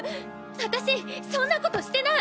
私そんなことしてない！